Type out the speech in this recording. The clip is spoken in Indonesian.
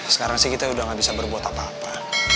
sekarang sih kita udah gak bisa berbuat apa apa